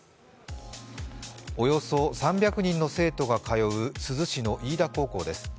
およそ３００との生徒が通う珠洲市の飯田高校です。